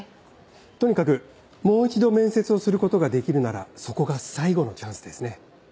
とにかくもう一度面接をすることができるならそこが最後のチャンスですね。